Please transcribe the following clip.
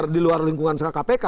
di luar lingkungan kpk